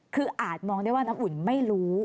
คืออาจมองได้ว่าน้ำอุ่นไม่รู้